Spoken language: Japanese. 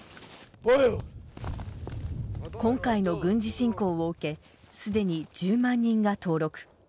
今回の軍事侵攻を受けすでに１０万人が登録。